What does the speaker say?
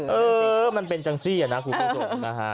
เออมันเป็นจังสี่อ่ะนะคุณผู้ชม